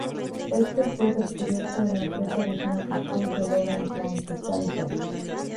Éste fue descubierto en la creta de Smoky Hill de Logan County, Kansas.